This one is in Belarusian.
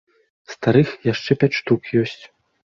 Старых яшчэ пяць штук есць.